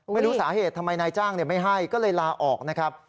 ไม่รู้สาเหตุทำไมนายจ้างไม่ให้ก็เลยลาออกนะครับ